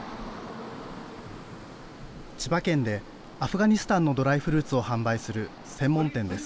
千葉県でアフガニスタンのドライフルーツを販売する専門店です。